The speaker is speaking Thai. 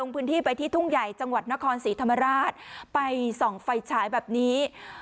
พื้นที่ไปที่ทุ่งใหญ่จังหวัดนครศรีธรรมราชไปส่องไฟฉายแบบนี้